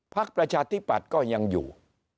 พรรคประชาธิบัติก็ยังอยู่